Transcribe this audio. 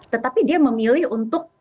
tetapi dia memilih untuk